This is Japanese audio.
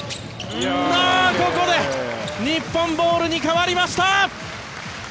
ここで、日本ボールに変わりました！